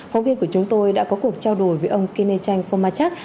phóng viên của chúng tôi đã có cuộc trao đổi với ông kenechang fomachak